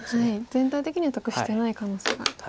全体的には得してない可能性があった。